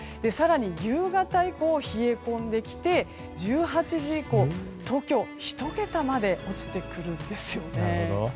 更に夕方以降、冷え込んできて１８時以降、東京は１桁まで落ちてくるんです。